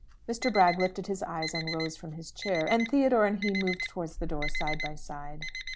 Mr. Bragg lifted his eyes and rose from his chair, and Theodore and he moved towards the door side by side.